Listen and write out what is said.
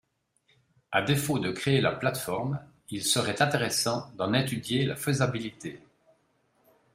À défaut de créer la plateforme, il serait intéressant d’en étudier la faisabilité.